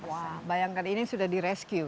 wah bayangkan ini sudah direscue